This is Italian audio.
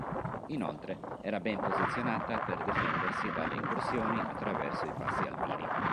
Inoltre, era ben posizionata per difendersi dalle incursioni attraverso i passi alpini.